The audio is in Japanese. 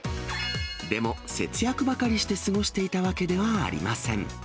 でも、節約ばかりして過ごしていたわけではありません。